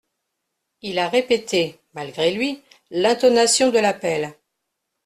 Il a répété, malgré lui, l’intonation de l’appel.